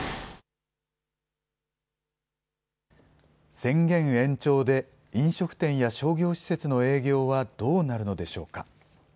宣言延長で、飲食店や商業施設の営業はどうなるのでしょうか。